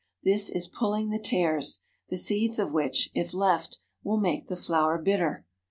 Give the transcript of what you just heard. This is pulling the tares, the seeds of which, if left, will make the flour bitter.